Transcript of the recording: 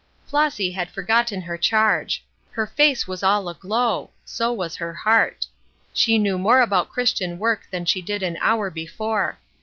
Flossy had forgotten her charge; her face was all aglow; so was her heart. She knew more about Christian work than she did an hour before.